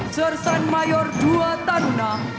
sersan mayor ii taruna